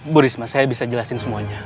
burisma saya bisa jelasin semuanya